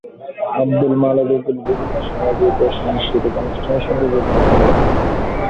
আব্দুল মালেক উকিল বিভিন্ন সামাজিক ও সাংস্কৃতিক প্রতিষ্ঠানের সঙ্গে যুক্ত ছিলেন।